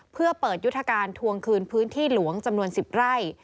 เพื่อเปิดยุทธการทวงคืนพื้นที่หลวงจำนวน๑๐ไร่